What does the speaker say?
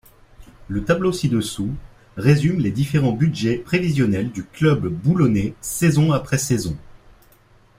Le tableau ci-dessous résume les différents budgets prévisionnels du club boulonnais saison après saison.